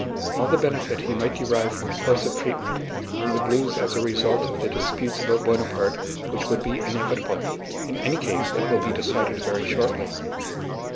All the benefit he might derive from a course of treatment he would lose as a result of the disputes about Buonaparte which would be inevitable. In any case it will be decided very shortly.